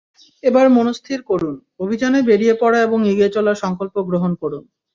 এবার মনস্থির করুন, অভিযানে বেরিয়ে পড়া এবং এগিয়ে চলার সংকল্প গ্রহণ করুন।